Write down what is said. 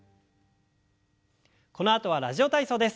このあとは「ラジオ体操」です。